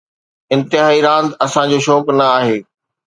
انتهائي راند اسان جو شوق نه آهي